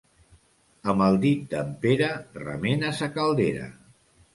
Amb el dit d'en Pere, remena sa caldera.